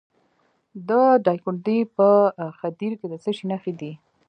د دایکنډي په خدیر کې د څه شي نښې دي؟